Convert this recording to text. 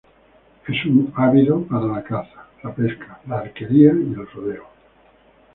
Es un ávido para la caza, la pesca, la arquería y el rodeo.